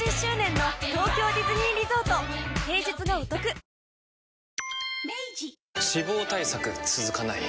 ［そして］脂肪対策続かない